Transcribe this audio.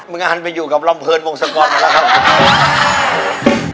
งานไปอยู่กับลำเนินวงศกรมาแล้วครับ